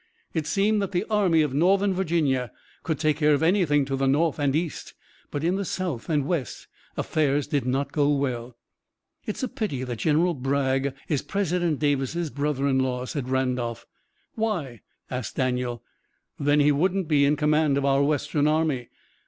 It seemed that the Army of Northern Virginia could take care of anything to the north and east, but in the south and west affairs did not go well. "It's a pity that General Bragg is President Davis' brother in law," said Randolph. "Why?" asked Daniel. "Then he wouldn't be in command of our Western Army."